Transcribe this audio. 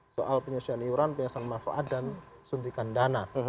soal penyelesaian iuran penyelesaian manfaat dan suntikan dana